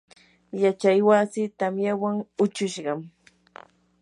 yachay wasii tamyawan huchushqam.